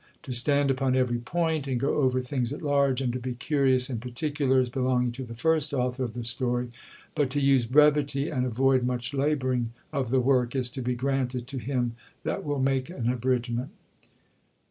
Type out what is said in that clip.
To stand upon every point, and go over things at large, and to be curious in particulars, belonging to the first author of the story; but to use brevity, and avoid much labouring of the work, is to be granted to him that will make an Abridgment."